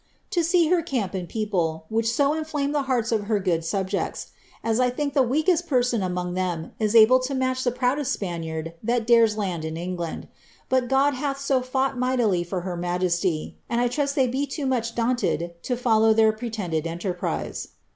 89 ^ to see her camp and people, which so inflamed the hearts of her good solijects, as I think the weakest person among them is able to match the proodest Spaniard that dares land in England. But God hath also fought mightily for her majesty, and I trust they be too much daunted to fol low their pretended enterprise."